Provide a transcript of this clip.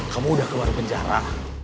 kamu udah keluar penjara